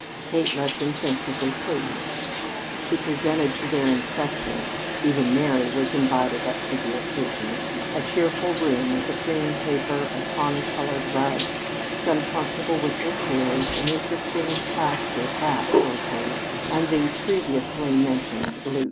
Kate let them think what they pleased. She presented to their inspection even Mary was invited up for the occasion a cheerful room with a cream paper, a tawny colored rug, some comfortable wicker chairs, an interesting plaster cast or two, and the previously mentioned "loot."